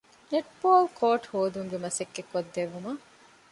ނެޓްބޯލްކޯޓު ހެދުމުގެ މަސައްކަތް ކޮށްދެއްވުމަށް